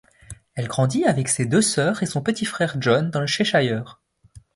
Elle grandit avec ses deux sœurs et son petit frère John dans le Cheshire.